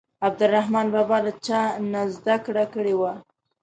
عبدالرحمان بابا له چا نه زده کړه کړې وه.